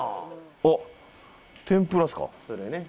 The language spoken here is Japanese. あっ天ぷらですか？